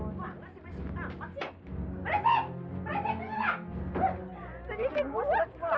seperti mereka menyayangi aku ya allah